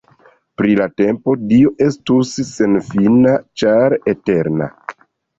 Pri la tempo, Dio estus senfina ĉar eterna.